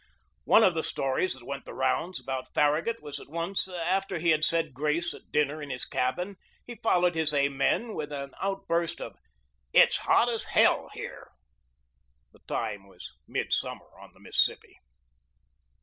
One of the stories that went the rounds about Farragut was that once after he had said grace at dinner in his cabin he followed his amen with an outburst of "It's hot as hell here!" The time was midsummer on the Mississippi.